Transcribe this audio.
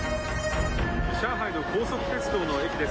上海の高速鉄道の駅です。